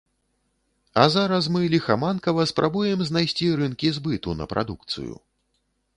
А зараз мы ліхаманкава спрабуем знайсці рынкі збыту на прадукцыю.